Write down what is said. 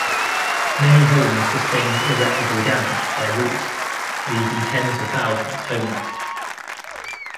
Many homes sustained irreparable damage to their roofs, leaving tens of thousands homeless.